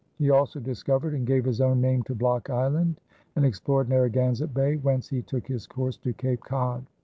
He also discovered and gave his own name to Block Island and explored Narragansett Bay, whence he took his course to Cape Cod.